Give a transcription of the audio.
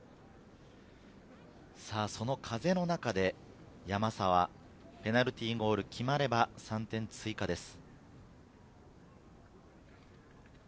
その風の中で山沢、ペナルティーゴールが決まれば３点追加です。